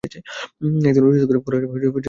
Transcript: একধরনের রসিকতা করার চেষ্টা করছে।